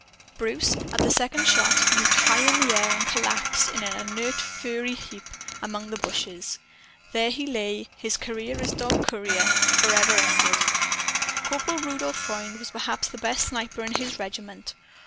Bruce, at the second shot, leaped high in the air, and collapsed, in an inert furry heap, among the bushes. There he lay, his career as a courier dog forever ended. Corporal Rudolph Freund was perhaps the best sniper in his regiment.